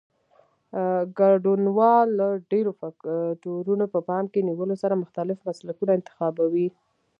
ګډونوال د ډېرو فکټورونو په پام کې نیولو سره مختلف مسلکونه انتخابوي.